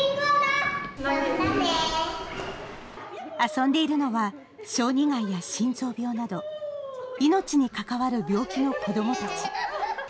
遊んでいるのは、小児がんや心臓病など、命に関わる病気の子どもたち。